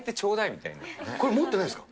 これ持ってないですか。